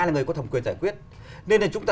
là người có thẩm quyền giải quyết nên là chúng ta